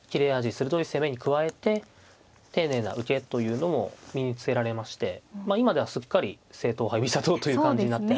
鋭い攻めに加えて丁寧な受けというのも身につけられまして今ではすっかり正統派居飛車党という感じになって。